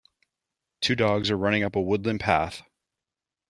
Two dogs are running up a woodland path.